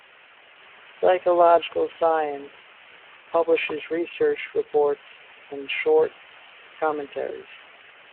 "Psychological Science" publishes research reports and short commentaries.